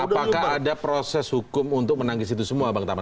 apakah ada proses hukum untuk menangis itu semua bang tama